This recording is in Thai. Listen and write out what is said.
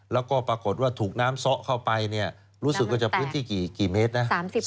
แล้วก็ปรากฏว่าถูกน้ำซ้อเข้าไปเนี่ยรู้สึกว่าจะพื้นที่กี่เมตรนะ